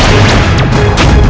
tidak ada kesalahan